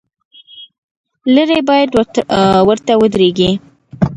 لرې باید ورته ودرېږې.